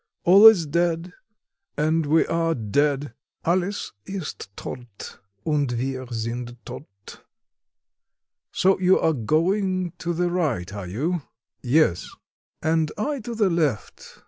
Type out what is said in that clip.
All is dead, and we are dead (Alles ist todt, und wir sind todt). So you're going to the right, are you?" "Yes." "And I go to the left.